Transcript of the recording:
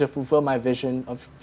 tetapi untuk memenuhi visi saya